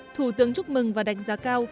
thủ tướng chúc mừng và đánh giá cao